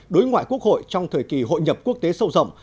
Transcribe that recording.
đối ngoại quốc hội trong thời kỳ hội nhập quốc tế sâu rộng